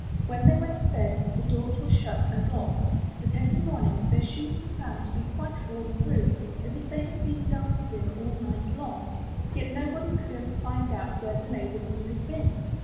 When they went to bed, the doors were shut and locked, but every morning their shoes were found to be quite worn through as if they had been danced in all night long; yet nobody could ever find out where the maidens had been.